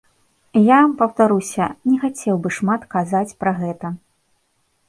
Я, паўтаруся, не хацеў бы шмат казаць пра гэта.